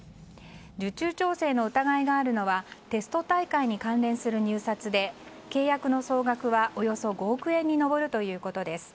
受注調整の疑いがあるのはテスト大会に関連する入札で契約の総額はおよそ５億円に上るということです。